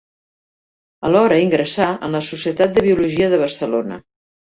Alhora ingressà en la Societat de Biologia de Barcelona.